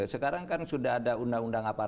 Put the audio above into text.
sekarang kan sudah ada undang undang apa